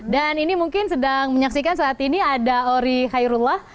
dan ini mungkin sedang menyaksikan saat ini ada ori khairullah